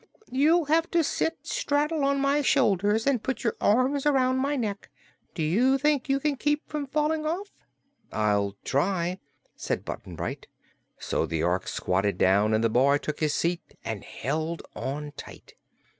"You'll have to sit straddle my shoulders and put your arms around my neck. Do you think you can keep from falling off?" "I'll try," said Button Bright. So the Ork squatted down and the boy took his seat and held on tight.